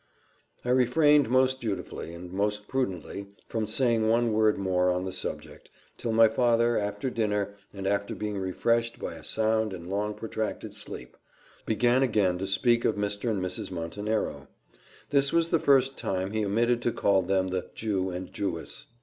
I refrained most dutifully, and most prudently, from saying one word more on the subject, till my father, after dinner, and after being refreshed by a sound and long protracted sleep, began again to speak of Mr. and Miss Montenero. This was the first time he omitted to call them the Jew and Jewess.